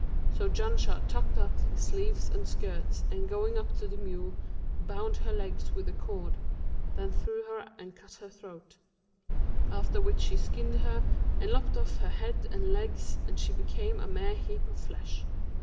So Janshah tucked up his sleeves and skirts and going up to the mule, bound her legs with the cord, then threw her and cut her throat; after which he skinned her and lopped off her head and legs and she became a mere heap of flesh.